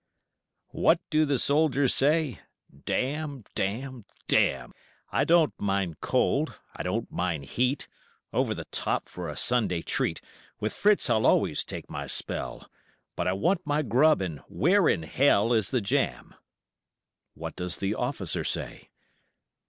What do the soldiers say? "Dam! Dam! Dam! I don't mind cold, I don't mind heat, Over the top for a Sunday treat, With Fritz I'll always take my spell, But I want my grub, and where in hell Is the jam?" What does the officer say?